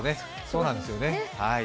そうなんですよね。